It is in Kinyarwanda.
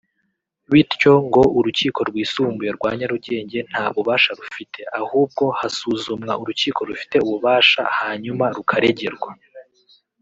Bityo ngo Urukiko Rwisumbuye rwa Nyarugenge nta bubasha rufite ahubwo hasuzumwa urukiko rufite ububasha hanyuma rukaregerwa